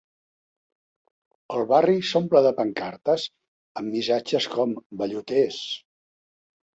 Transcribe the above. El barri s’omple de pancartes amb missatges com Velluters!